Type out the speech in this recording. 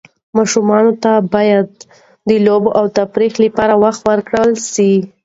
ماشومانو ته باید د لوبو او تفریح وخت ورکړل سي.